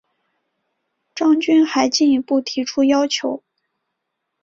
张军还进一步提出要求